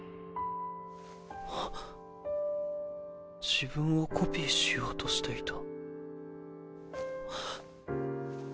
自分をコピーしようとしていた？